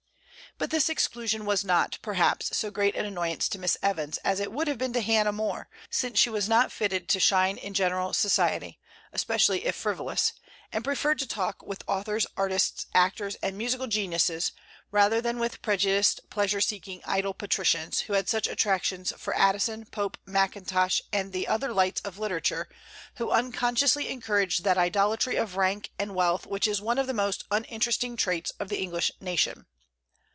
But this exclusion was not, perhaps, so great an annoyance to Miss Evans as it would have been to Hannah More, since she was not fitted to shine in general society, especially if frivolous, and preferred to talk with authors, artists, actors, and musical geniuses, rather than with prejudiced, pleasure seeking, idle patricians, who had such attractions for Addison, Pope, Mackintosh, and other lights of literature, who unconsciously encouraged that idolatry of rank and wealth which is one of the most uninteresting traits of the English nation.